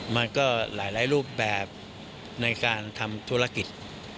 มันก็หลายรูปแบบในการทำธุรกิจ